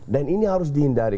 dan ini harus dihindari